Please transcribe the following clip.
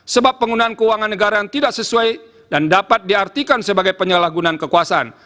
sebab penggunaan keuangan negara yang tidak sesuai dan dapat diartikan sebagai penyalahgunaan kekuasaan